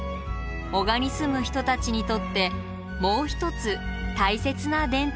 男鹿に住む人たちにとってもう一つ大切な伝統行事があります。